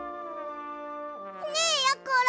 ねえやころ